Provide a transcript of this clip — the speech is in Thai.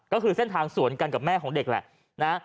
ก็คือเส้นทางสวนกันกับแม่ของเด็กแหละนะ